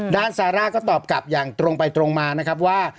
ซาร่าก็ตอบกลับอย่างตรงไปตรงมานะครับว่า